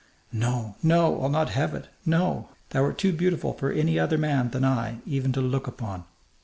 "No, no! I'll not have it! No! Thou art too beautiful for any other man than I even to look upon!